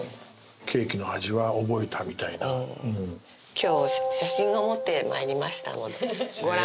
今日写真を持ってまいりましたのでご覧